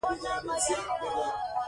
زما تل خوښېږی چي د کورنۍ لپاره پخلی وکړم.